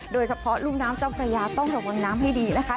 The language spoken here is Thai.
โดยเฉพาะรุ่มน้ำเจ้าพระยาต้องระวังน้ำให้ดีนะคะ